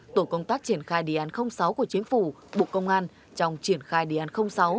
tổ công tác triển khai đề án sáu của chính phủ bộ công an trong triển khai đề án sáu